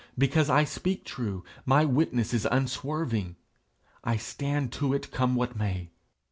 Because I speak true, my witness is unswerving; I stand to it, come what may.